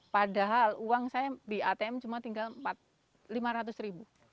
padahal uang saya di atm cuma tinggal lima ratus ribu